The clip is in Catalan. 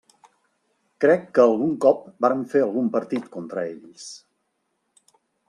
Crec que algun cop vàrem fer algun partit contra ells.